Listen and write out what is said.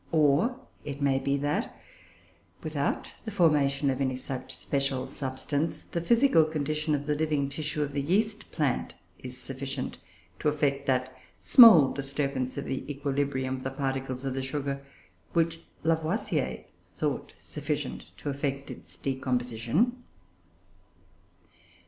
Or it may be, that, without the formation of any such special substance, the physical condition of the living tissue of the yeast plant is sufficient to effect that small disturbance of the equilibrium of the particles of the sugar, which Lavoisier thought sufficient to effect its decomposition.